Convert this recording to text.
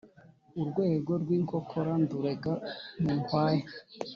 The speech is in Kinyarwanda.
Urwego rw’inkokora ndurega mu nkwaya,